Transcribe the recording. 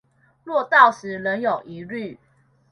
若到時仍有疑慮